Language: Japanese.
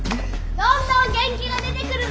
どんどん元気が出てくるぞ！！